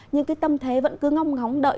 nhưng cái tâm thế vẫn cứ ngóng ngóng đợi